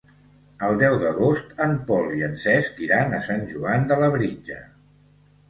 El deu d'agost en Pol i en Cesc iran a Sant Joan de Labritja.